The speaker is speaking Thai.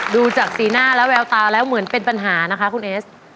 ดูจากสีหน้าและแววตาแล้วเหมือนเป็นปัญหานะคะคุณเอส